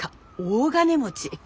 大金持ち。